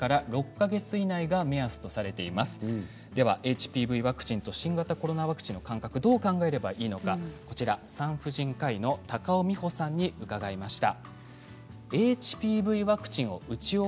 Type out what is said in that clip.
ＨＰＶワクチンと新型コロナワクチンの間隔についてどう考えればいいのか産婦人科医の高尾美穂さんに聞きました。